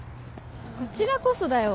こちらこそだよ